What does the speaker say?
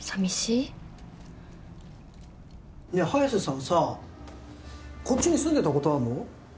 いや早瀬さんさこっちに住んでたことあるの？